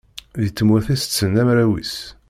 Deg tmurt i tetten arraw-is.